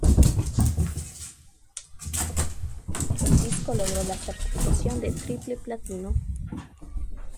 El disco logró la certificación de triple platino.